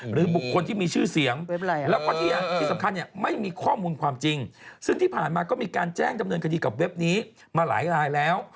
หรือบุคคลที่มีชื่อเสียงแล้วก็ที่สำคัญเนี่ยไม่มีข้อมูลความจริงซึ่งที่ผ่านมาก็มีการแจ้งดำเนินคดีกับเว็บนี้มาหลายลายแล้ว